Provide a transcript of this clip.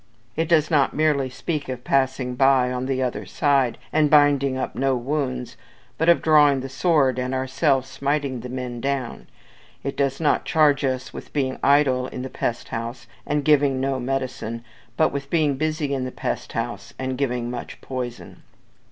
It does not merely speak of passing by on the other side, and binding up no wounds, but of drawing the sword and ourselves smiting the men down. It does not charge us with being idle in the pest house, and giving no medicine, but with being busy in the pest house, and giving much poison.